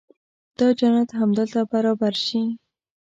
دا جنت همدلته برابر شي.